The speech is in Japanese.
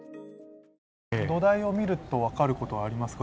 土台をみると分かることありますか？